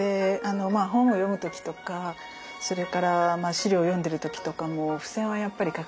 本を読む時とか資料を読んでる時とかも付箋はやっぱり欠かせないんですよね。